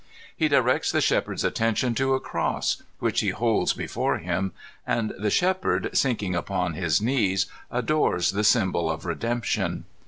He directs the shepherd's attention to a cross, which he holds before him, and the shepherd, sink ing upon his knees, adores the symbol of Redemption.